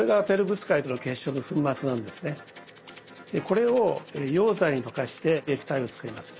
これを溶剤に溶かして液体を作ります。